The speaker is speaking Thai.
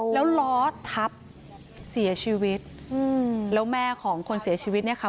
แล้วล้อทับเสียชีวิตอืมแล้วแม่ของคนเสียชีวิตเนี่ยค่ะ